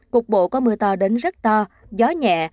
cục bộ có mưa to đến rất to gió nhẹ